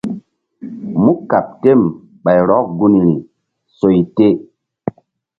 Mú kqɓ tem ɓay rɔk gunri soy te.